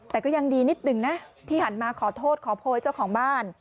แต่ก็ยังดีนิดหนึ่งนะที่หันมาขอโทษขอโพยเจ้าของบ้าน